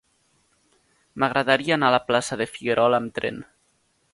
M'agradaria anar a la plaça de Figuerola amb tren.